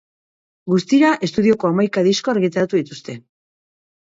Guztira, estudioko hamaika disko argitaratu dituzte.